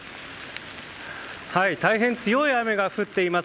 大変強い雨が降っています。